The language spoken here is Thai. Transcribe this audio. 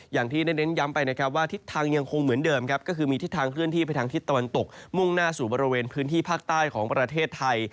อย่างที่ได้เน้นย้ำไปนะครับว่าทิศทางยังคงเหมือนเดิมครับก็คือมีทิศทางเคลื่อนที่ไปทางทิศตะวันตกมุ่งหน้าสู่บริเวณพื้นที่ภาคใต้ของประเทศไทย